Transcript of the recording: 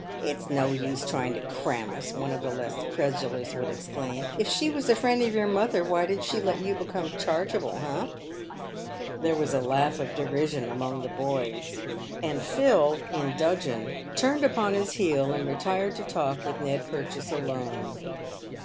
" It's no use trying to cram us," one of the less credulous would exclaim. " If she was a friend of your mother, why did she let you become chargeable, eh?" 60 PAVED WITH GOLD. There was a laugh of derision among the boys, and Phil, in dudgeon, turned upon his heel, and retired to talk with Ned Purchase alone.